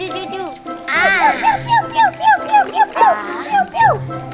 tidak ada keliatan